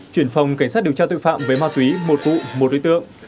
chuyển phòng cảnh sát điều tra tội phạm về ma túy một vụ một đối tượng